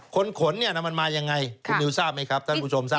ขนเนี่ยมันมายังไงคุณมิวท่านผู้ชมทราบไหมครับ